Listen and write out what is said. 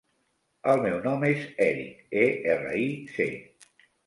El meu nom és Eric: e, erra, i, ce.